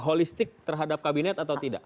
holistik terhadap kabinet atau tidak